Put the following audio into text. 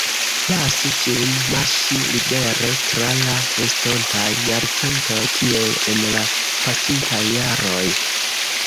Lasu ĝin marŝi libere tra la estontaj jarcentoj, kiel en la pasintaj jaroj.